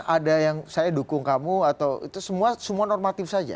ada yang saya dukung kamu atau itu semua normatif saja